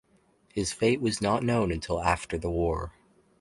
His fate was not known until after the war.